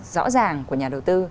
rõ ràng của nhà đầu tư